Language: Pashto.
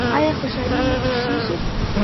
ایا خوشحالي مو خوښیږي؟